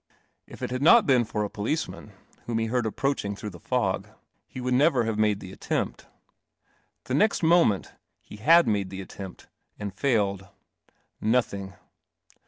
If it had not been for a policeman, whom he heard approaching through the fog, he would never have made the attempt. The next moment he had made the attempt and failed. Nothing.